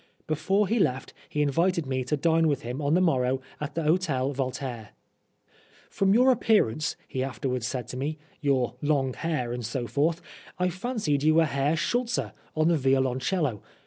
Before he left he invited me to dine with him on the morrow at the Hotel Voltaire. " From your appearance," he afterwards said to me, " your long hair and so forth, I fancied you were Herr Schultze on the violoncello.